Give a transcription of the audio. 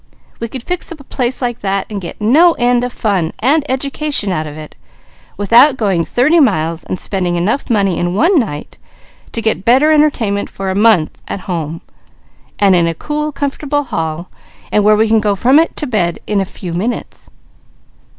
We could fix up a place like that, and get no end of fun and education out of it, without going thirty miles and spending enough money in one night to get better entertainment for a month at home, and in a cool, comfortable hall, and where we can go from it to bed in a few minutes.